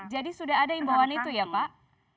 jadi sudah ada imbauan itu ya pak